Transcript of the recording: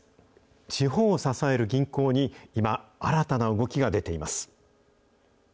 地方を支える銀行に今、新たな動きが出ています。